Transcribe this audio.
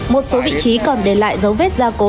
một số vị trí còn để lại dấu vết gia cố